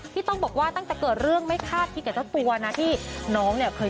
ที่ต้องบอกว่าตั้งจะเกิดเรื่องไม่ทักที่แต่ตัวน่ะที่น้องเนี่ยเคย